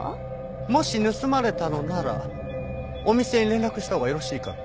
もし盗まれたのならお店に連絡したほうがよろしいかと。